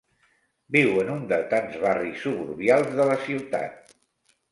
Viu en un de tants barris suburbials de la ciutat.